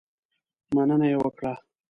مننه یې وکړه.